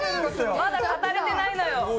まだ語れてないのよ！